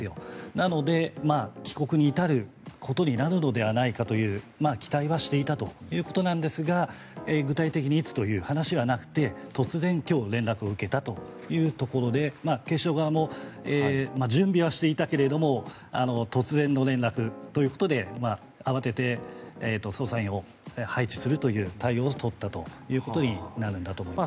なので、帰国に至ることになるのではないかという期待はしていたということなんですが具体的にいつという話はなくて突然、今日連絡を受けたということで警視庁側も準備はしていたけれども突然の連絡ということで慌てて捜査員を配置するという対応を取ったということになるんだと思います。